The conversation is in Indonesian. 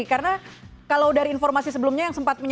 karena kalau dari informasi sebelumnya yang sempat menerima